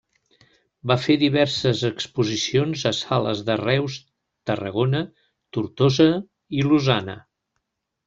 Va fer diverses exposicions a sales de Reus, Tarragona, Tortosa i Lausana.